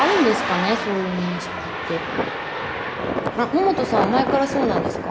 野本さんは前からそうなんですか？